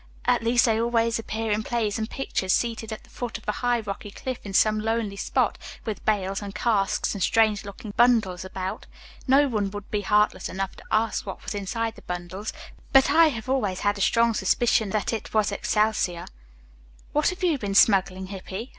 "At least they always appear in plays and pictures seated at the foot of a high, rocky cliff in some lonely spot, with bales and casks and strange looking bundles about. No one would be heartless enough to ask what was inside the bundles, but I have always had a strong suspicion that it was excelsior." "What have you been smuggling, Hippy?"